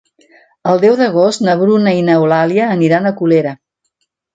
El deu d'agost na Bruna i n'Eulàlia aniran a Colera.